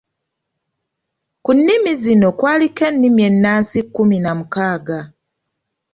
Ku nnimi zino kwaliko ennimi ennansi kkumi na mukaaga.